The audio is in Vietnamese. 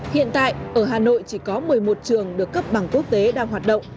hiện tại ở hà nội chỉ có một mươi một trường được cấp bằng quốc tế đang hoạt động